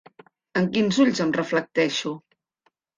En quins ulls em reflecteixo?